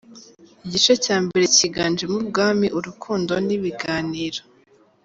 Igice cya mbere cyiganjemo ubwami, urukundo n’ibiganiro.